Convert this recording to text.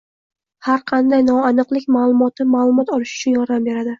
Har qanday noaniqlik ma'lumoti ma'lumot olish uchun yordam beradi